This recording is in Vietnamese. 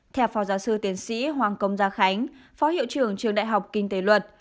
theo phó giáo sư tiến sĩ hoàng công gia khánh phó hiệu trưởng trường đại học kinh tế luật